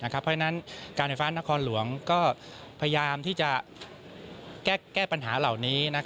เพราะฉะนั้นการไฟฟ้านครหลวงก็พยายามที่จะแก้ปัญหาเหล่านี้